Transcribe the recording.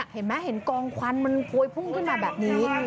เห็นไหมเห็นกองควันมันโพยพุ่งขึ้นมาแบบนี้